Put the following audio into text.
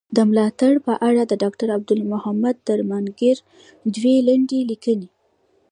د ملاتړ په اړه د ډاکټر عبدالمحمد درمانګر دوې لنډي ليکني.